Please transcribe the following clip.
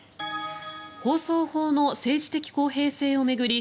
放送法の政治的公平性を巡り